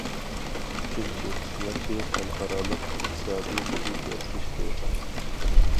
ئۈچىنچى، ياخشى خەلقئارالىق ئىقتىسادىي مۇھىت يارىتىش كېرەك.